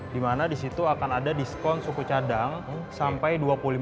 di mana di situ akan ada diskon suku cadang sampai dua puluh lima